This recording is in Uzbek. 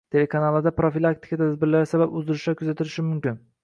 Telekanallarda profilaktika tadbirlari sabab uzilishlar kuzatilishi mumkin